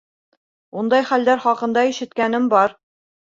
— Ундай хәлдәр хаҡында ишеткәнем бар...